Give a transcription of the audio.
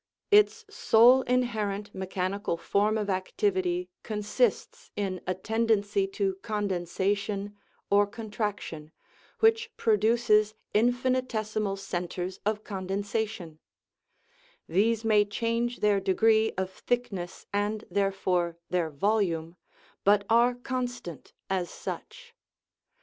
Its sole inherent mechanical form of activity consists in a tendency to condensation or contraction, which produces infinitesimal centres of condensation ; these may change their degree of thick ness, and, therefore, their volume, but are constant as such.